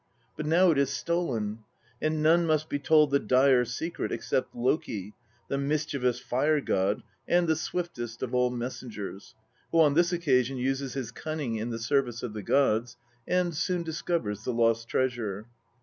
But now it is stolen, and none must be told the dire secret except Loki, the mischievous fire god and the swiftest of all messengers, who on this occasion uses his cunning in the service of the gods, and soon discovers the lost treasure.